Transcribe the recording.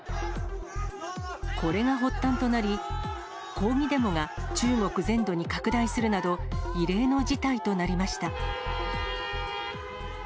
これが発端となり、抗議デモが中国全土に拡大するなど、異例の事態となりました。